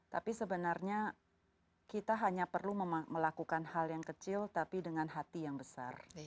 tapi sebenarnya kita hanya perlu melakukan hal yang kecil tapi dengan hati yang besar